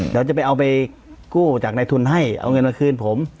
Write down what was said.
เดี๋ยวจะไปเอาไปกู้จากในทุนให้เอาเงินมาคืนผม